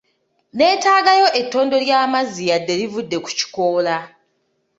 Neetaagayo ettondo ly'amazzi yadde livudde ku kikoola.